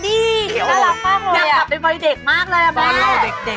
น่ารักมากเลยอยากกลับไปบ่อยเด็กมากเลยอ่ะแม่